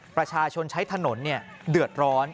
ประชาชนใช้ถนนเดือดร้อน